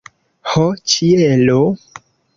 Ho, ĉielo!